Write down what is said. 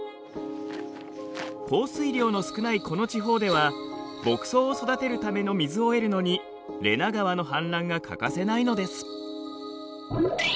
降水量の少ないこの地方では牧草を育てるための水を得るのにレナ川の氾濫が欠かせないのです。